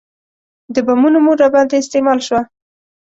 د بمونو مور راباندې استعمال شوه.